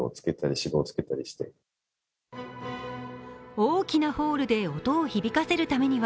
大きなホールで音を響かせるためには